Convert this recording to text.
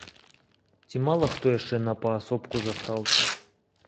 Ці мала хто яшчэ на паасобку застаўся?